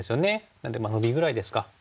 なのでノビぐらいですか。